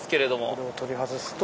これを取り外すと。